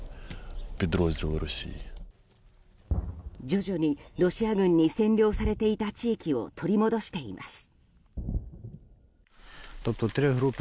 徐々にロシア軍に占領されていた地域を取り戻しています。